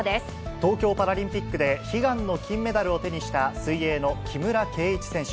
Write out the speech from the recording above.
東京パラリンピックで悲願の金メダルを手にした、水泳の木村敬一選手。